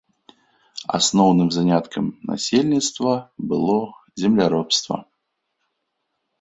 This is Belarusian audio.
Асноўным заняткам насельніцтва было земляробства.